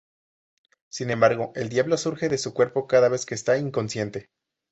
Sin embargo, El Diablo surge de su cuerpo cada vez que está inconsciente.